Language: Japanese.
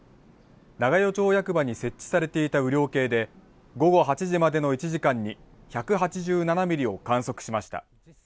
長与町役場に設置されていた雨量計で、午後８時までの１時間に１８７ミリを観測しました。